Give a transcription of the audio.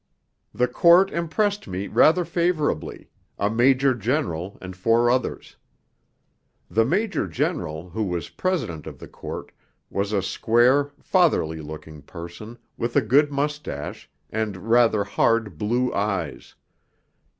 The Court impressed me rather favourably a Major General, and four others. The Major General, who was President of the Court, was a square, fatherly looking person, with a good moustache, and rather hard blue eyes.